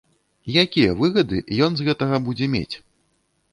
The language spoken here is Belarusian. Якія выгады ён з гэтага будзе мець?